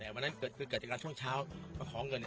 วันนั้นเกิดการท่วงเช้ามาของเงิน